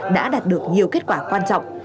đã đạt được nhiều kết quả quan trọng